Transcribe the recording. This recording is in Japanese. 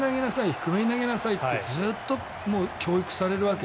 低めに投げなさいってずっと教育されるわけ。